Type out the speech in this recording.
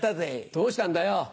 どうしたんだよ？